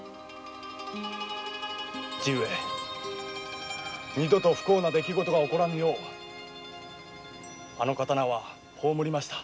父上二度と不幸な事が起らぬようあの刀は葬りました。